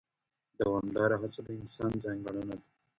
دوامداره هڅه د انسان ځانګړنه ده.